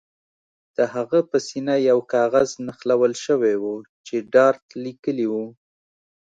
د هغه په سینه یو کاغذ نښلول شوی و چې ډارت لیکلي وو